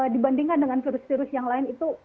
dibandingkan dengan virus virus yang lain itu